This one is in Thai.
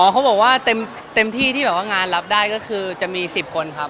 เขาบอกว่าเต็มที่ที่แบบว่างานรับได้ก็คือจะมี๑๐คนครับ